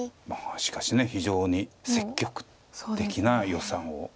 まあしかし非常に積極的な余さんを。